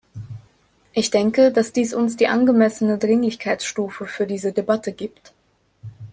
Ich denke, dass dies uns die angemessene Dringlichkeitsstufe für diese Debatte gibt.